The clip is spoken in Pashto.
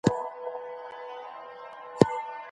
اقليتونه په اسلامي ټولنه کي برخه لري.